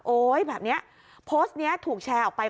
แบบนี้โพสต์นี้ถูกแชร์ออกไป